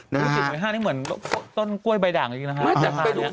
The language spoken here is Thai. ถี่๗๕๐๐๐นี่เหมือนต้นกร้วยใบด่างจริงนะครับราคาอย่างงี้